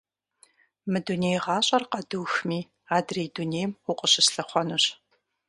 Мы дуней гъащӏэр къэдухми, адрей дунейм укъыщыслъыхъуэнущ.